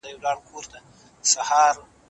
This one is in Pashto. مرستيال ښوونکی څنګه د درس مواد برابر کوي؟